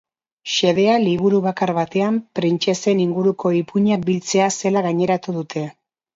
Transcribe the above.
Xedea liburu bakar batean printzesen inguruko ipuinak biltzea zela gaineratu dute.